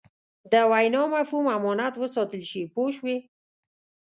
د وینا مفهوم امانت وساتل شي پوه شوې!.